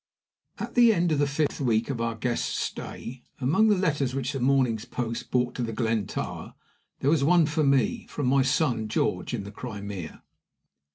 AT the end of the fifth week of our guest's stay, among the letters which the morning's post brought to The Glen Tower there was one for me, from my son George, in the Crimea.